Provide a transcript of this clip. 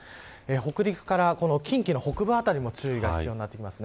北陸から近畿の北部辺りも注意が必要になってきます。